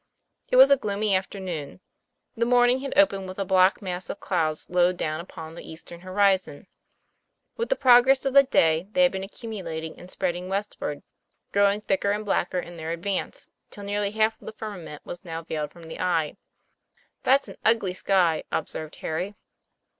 It was a gloomy afternoon. The morning had opened with a black mass of clouds low down upon the eastern horizon. With the progress of the day, '1 rr TOM PLA YFAIR. 101 they had been accumulating and spreading west ward, growing thicker and blacker in their advance, till nearly half of the firmament was now veiled from the eye. That's an ugly sky," observed Harry.